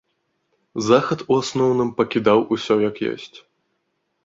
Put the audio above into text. Захад у асноўным пакідаў усё як ёсць.